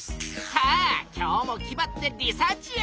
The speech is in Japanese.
さあ今日も気ばってリサーチや！